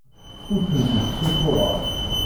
Ur tent-id-ssuffuɣeɣ.